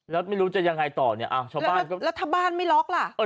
แล้วไม่รู้จะยังไงต่อเนี้ยอ้าวชาวบ้านรัฐบาลไม่ล็อคล่ะเออ